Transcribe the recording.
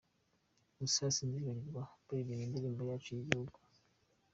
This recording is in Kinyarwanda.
Gusa sinzibagirwa baririmba indirimbo yacu y’igihugu.